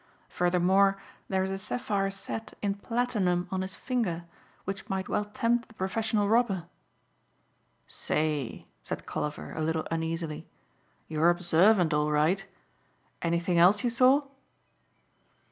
Furthermore there is a sapphire set in platinum on his finger which might well tempt the professional robber." "Say," said Colliver a little uneasily, "you're observant all right. Anything else you saw?"